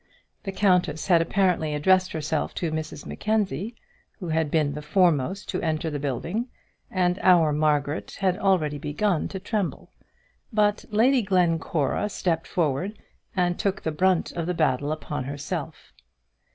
The countess had apparently addressed herself to Mrs Mackenzie, who had been the foremost to enter the building, and our Margaret had already begun to tremble. But Lady Glencora stepped forward, and took the brunt of the battle upon herself.